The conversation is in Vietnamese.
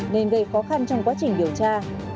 nên gây khó khăn trong quá trình đánh bạc